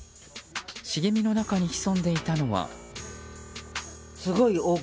茂みの中に潜んでいたのは。